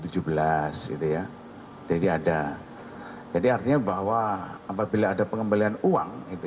jadi artinya bahwa apabila ada pengembalian uang